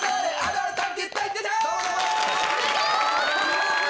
すごーい！